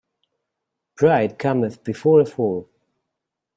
Pride cometh before a fall.